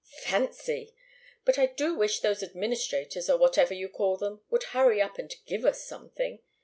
Fancy! But I do wish those administrators, or whatever you call them, would hurry up and give us something.